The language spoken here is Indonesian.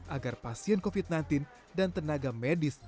agar pasien covid sembilan belas dan tenaga medis